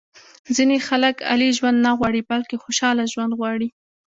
ځینې خلک عالي ژوند نه غواړي بلکې خوشاله ژوند غواړي.